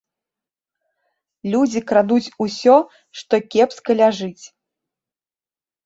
Людзі крадуць усё, што кепска ляжыць.